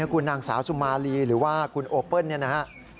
คุณนางสาวสุมารีหรือว่าคุณโอเปิ้ลนะฮะ